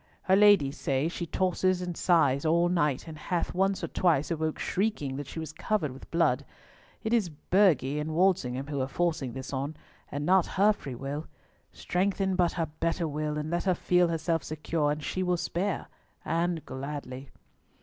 Her ladies say she tosses and sighs all night, and hath once or twice awoke shrieking that she was covered with blood. It is Burghley and Walsingham who are forcing this on, and not her free will. Strengthen but her better will, and let her feel herself secure, and she will spare, and gladly."